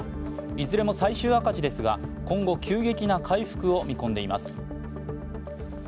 いずれも最終赤字ですが今後急激な回復を見込んでいます。